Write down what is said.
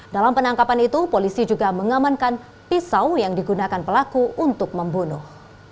dalam penangkapan itu polisi juga mengamankan pisau yang digunakan pelaku untuk membunuh